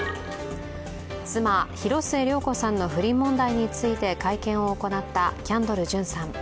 妻・広末涼子さんの不倫問題について会見を行ったキャンドル・ジュンさん。